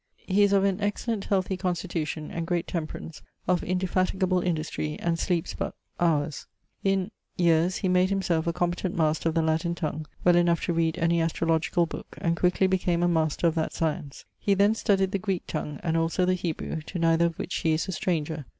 He is of an excellent healthy constitution and great temperance, of indefatigable industrie, and sleepes but ... houres. In ... yeeres he made himselfe a competent master of the Latin tongue, well enough to reade any astrologicall booke, and quickly became a master of that science. He then studyed the Greek tongue, and also the Hebrew, to neither of which he is a stranger.